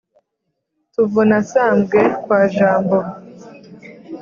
tuvuna sambwe kwa jambo !